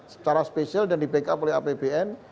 secara spesial dan di backup oleh apbn